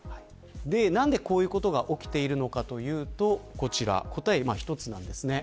なぜこういうことが起きているのかというと答えは一つなんですね。